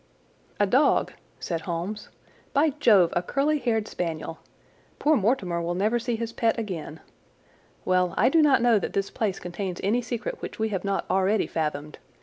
"A dog!" said Holmes. "By Jove, a curly haired spaniel. Poor Mortimer will never see his pet again. Well, I do not know that this place contains any secret which we have not already fathomed.